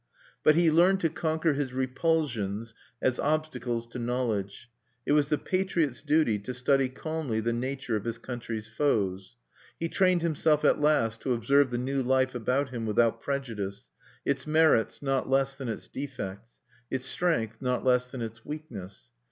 But he learned to conquer his repulsions as obstacles to knowledge: it was the patriot's duty to study calmly the nature of his country's foes. He trained himself at last to observe the new life about him without prejudice, its merits not less than its defects; its strength not less than its weakness.